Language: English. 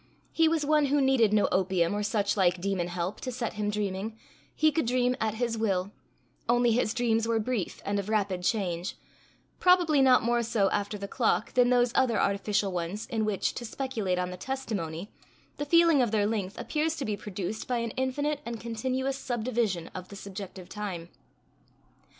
He was one who needed no opium, or such like demon help, to set him dreaming; he could dream at his will only his dreams were brief and of rapid change probably not more so, after the clock, than those other artificial ones, in which, to speculate on the testimony, the feeling of their length appears to be produced by an infinite and continuous subdivision of the subjective time.